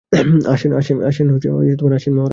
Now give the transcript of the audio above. আসেন আসেন, মহারাজ।